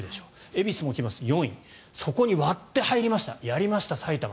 恵比寿も来ます、４位そこに割って入りましたやりました、埼玉。